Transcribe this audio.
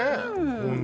うん